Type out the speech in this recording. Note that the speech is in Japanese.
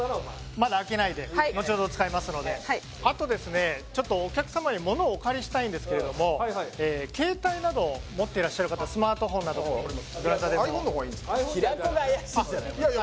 まだ開けないで後ほど使いますのであとですねちょっとお客様に物をお借りしたいんですけれども携帯など持ってらっしゃる方スマートフォンなどでもどなたでもｉＰｈｏｎｅの方がいいですか？